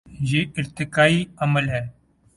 یہ ارتقائی عمل ہے۔